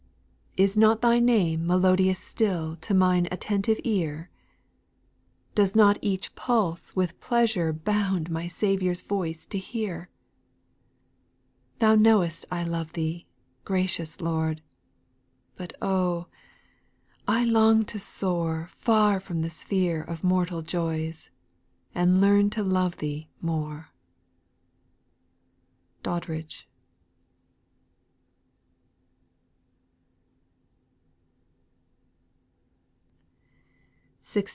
8. Is not Thy name melodious still, To mine attentive ear ? Does not each pulse with pleasure bound My Saviour's voice to hear ? 4 Thou know'st I love Thee, gracious Lord, But O, I long to soar Far from the sphere of mortal joys, And learn to love Thee more. DODDRIDGE.